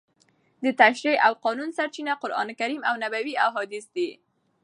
د تشریع او قانون سرچینه قرانکریم او نبوي احادیث دي.